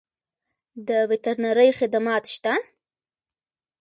د وترنرۍ خدمات شته؟